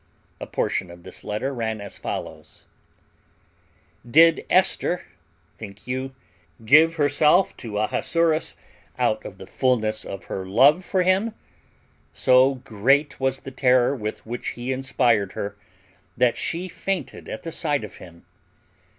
A portion of this letter ran as follows: Did Esther, think you, give herself to Ahasuerus out of the fulness of her love for him? So great was the terror with which he inspired her that she fainted at the sight of him.